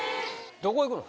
どこ行くの？